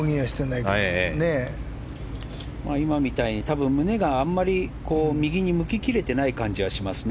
今みたいに多分、胸があんまり右に向ききれてない感じがしますね。